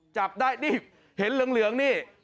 จับได้นี่เห็นเหลืองนี่